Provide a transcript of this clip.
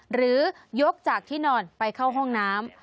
หรือยกจากที่นอนไปเข้าห้องน้ำ